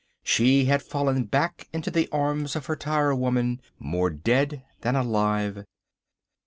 She had fallen back into the arms of her tire women more dead than alive.